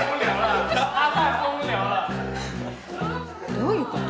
どういうこと？